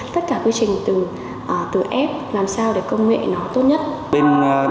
tất cả quy trình từ ép làm sao để công nghệ nó tốt nhất